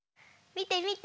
みてみて。